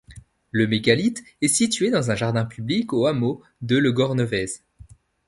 Le mégalithe est situé dans un jardin public, au hameau de Le Gornevez.